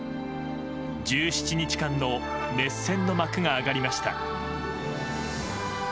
１７日間の熱戦の幕が上がりました。